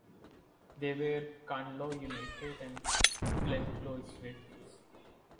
They were "Carnlough United" and "Glencloy Swifts".